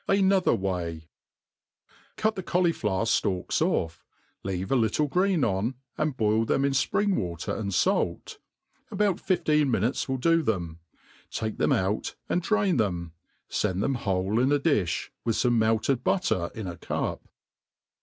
Another way, CUT the cauliflower ftalks off, leave a little green on, and boil them in fpring water and fait : about fifteen minutes will do them. Take them out and drain them \ fend them whole in a diOi, with fome melted butter in a cup.